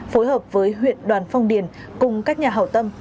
phối hợp với huyện đoàn phong điền cùng các nhà hảo tâm